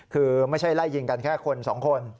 คือไม่ใช่ไล่ยิงกันแค่คนสองคน